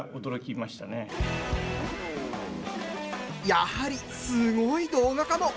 やはり、すごい動画かも。